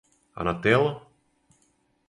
А на тело?